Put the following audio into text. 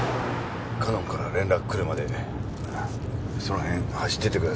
かのんから連絡くるまでその辺走っててください。